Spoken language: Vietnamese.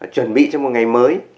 chuẩn bị cho một ngày mới